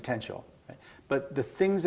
memiliki banyak potensi